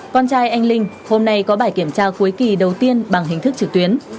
con trai anh linh hôm nay có bài kiểm tra cuối kỳ đầu tiên bằng hình thức trực tuyến